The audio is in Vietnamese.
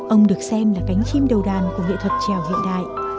ông được xem là cánh chim đầu đàn của nghệ thuật trèo hiện đại